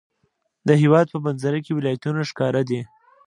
د هېواد په منظره کې ولایتونه ښکاره دي.